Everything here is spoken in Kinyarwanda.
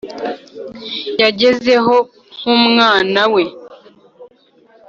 yagezeho nkumwana we.